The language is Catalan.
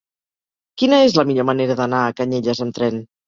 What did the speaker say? Quina és la millor manera d'anar a Canyelles amb tren?